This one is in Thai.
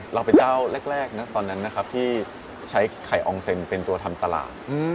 เราเป็นเจ้าแรกนะตอนนั้นนะครับที่ใช้ไข่อองเซ็นเป็นตัวทำตลาด